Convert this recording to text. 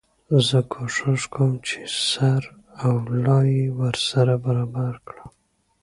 زه کوښښ کوم چي سر او لای يې ورسره برابر کړم.